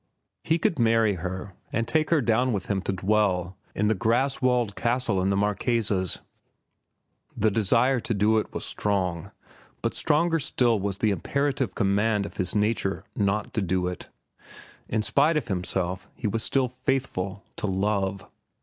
He could marry her and take her down with him to dwell in the grass walled castle in the Marquesas. The desire to do it was strong, but stronger still was the imperative command of his nature not to do it. In spite of himself he was still faithful to Love.